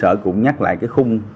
sở cũng nhắc lại khung